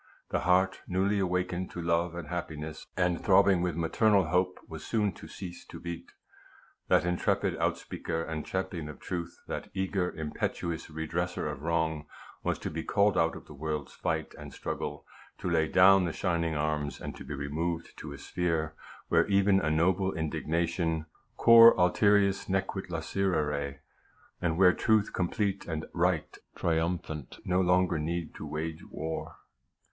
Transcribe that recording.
The heart, newly awakened to love and happiness, and throbbing with maternal hope, was soon to cease to beat ; that intrepid outspeaker and champion of truth, that eager, impetuous redresser of wrong, was to be called out of the world's fight and struggle, to lay down the shining arms, and to be removed to a sphere where even a noble indignation cor ulterius nequit lacerare, and where truth complete, and right triumphant, no longer need to wage war.